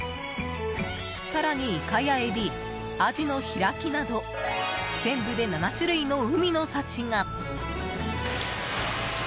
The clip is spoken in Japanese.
更にイカやエビ、アジの開きなど全部で７種類の海の幸が。